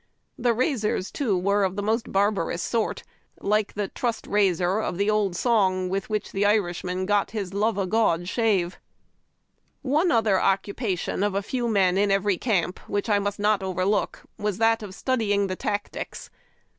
The razors, too, were of the most barbarous sort, like the " trust razor" of the old song with which the Irishman got his " Love o' God Shave." One other occupation of a few men in every camp, which I must not overlook, was that of studying the tactics.